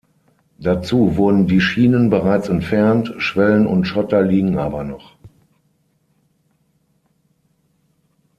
Dazu wurden die Schienen bereits entfernt, Schwellen und Schotter liegen aber noch.